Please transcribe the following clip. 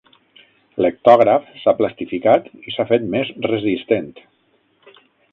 L'hectògraf s'ha plastificat i s'ha fet més resistent.